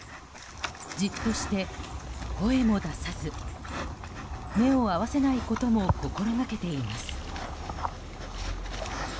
じっとして声も出さず目を合わせないことも心掛けています。